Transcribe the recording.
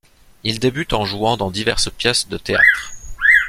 Il débute en jouant dans diverses pièces de théâtre.